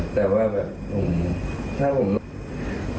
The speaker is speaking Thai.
แต่ว่าแบบผมถ้าผม